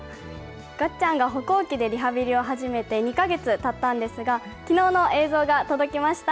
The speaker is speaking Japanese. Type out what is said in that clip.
がっちゃんが歩行器でリハビリを始めて２か月がたったんですがきのうの映像が届きました。